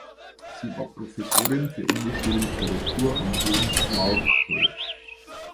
Sie war Professorin für englische Literatur am Bryn Mawr College.